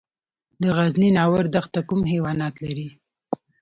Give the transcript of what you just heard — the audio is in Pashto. د غزني ناور دښته کوم حیوانات لري؟